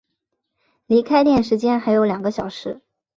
离开店时间还有两个小时